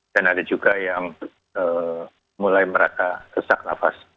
dan ada juga yang mulai merata kesak nafas